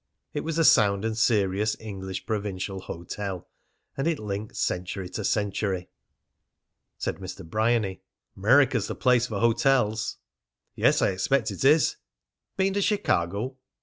It was a sound and serious English provincial hotel; and it linked century to century. Said Mr. Bryany: "'Merica's the place for hotels." "Yes, I expect it is." "Been to Chicago?"